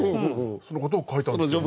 そのことを書いたんですけど。